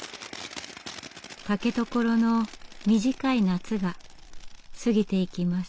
竹所の短い夏が過ぎていきます。